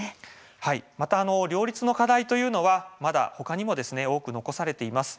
また両立の課題というのはまだ他にも多く残されています。